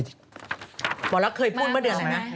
หมอลักษณ์เคยพูดเมื่อเดือนนะ